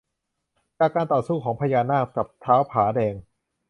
จากการต่อสู้ของพญานาคกับท้าวผาแดง